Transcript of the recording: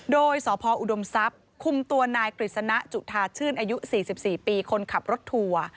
โดยสพอุดมทรัพย์คุมตัวนายกฤษณะจุธาชื่นอายุ๔๔ปีคนขับรถทัวร์